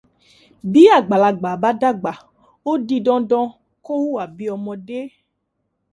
Bí àgbàlagbà bá dàgbà ó di dandan kó hùwà bi ọmọdé.